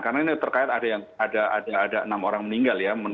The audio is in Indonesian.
karena ini terkait ada yang ada ada enam orang meninggal ya